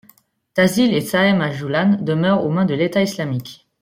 Tasil et Sahem al-Joulane demeurent aux mains de l'État islamique.